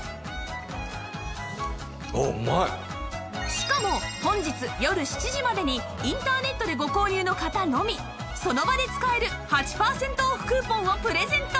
しかも本日よる７時までにインターネットでご購入の方のみその場で使える８パーセントオフクーポンをプレゼント！